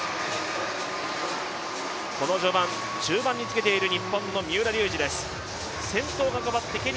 この序盤、中盤につけている日本の三浦龍司です。